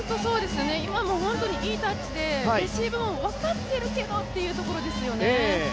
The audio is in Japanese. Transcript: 今も本当に、いいタッチでレシーブも分かってるけどというところですよね。